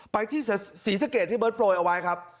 ไปที่ศรีสะเกดที่เบิร์ตโปรยเอาไว้ครับ